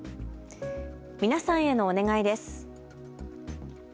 皆さんへのお願いです。